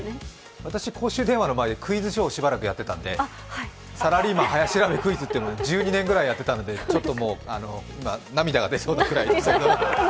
私は公衆電話の前でクイズショーをしばらくやっていたんである番組を１２年ぐらいやってたのでちょっともう、涙が出そうなくらい。